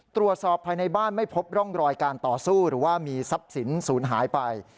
ตรวจสอบภายในบ้านไม่พบร่องรอยการต่อสู้หรือว่ามีทรัพย์สินศูนย์หายไป